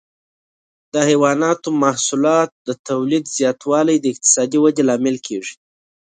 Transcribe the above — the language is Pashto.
د حيواني محصولاتو د تولید زیاتوالی د اقتصادي ودې لامل کېږي.